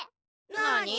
なに？